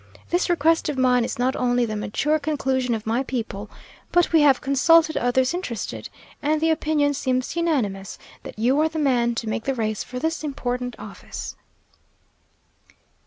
This request of mine is not only the mature conclusion of my people, but we have consulted others interested, and the opinion seems unanimous that you are the man to make the race for this important office."